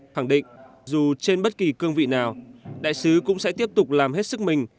khẳng định dù trên bất kỳ cương vị nào đại sứ cũng sẽ tiếp tục làm hết sức mình